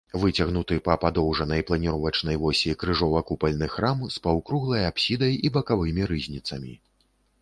Выцягнуты па падоўжанай планіровачнай восі крыжова-купальны храм з паўкруглай апсідай і бакавымі рызніцамі.